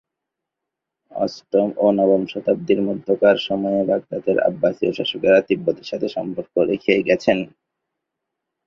অষ্টম এবং নবম শতাব্দীর মধ্যকার সময়ে, বাগদাদের আব্বাসীয় শাসকরা তিব্বতের সাথে সম্পর্ক রেখে গেছেন।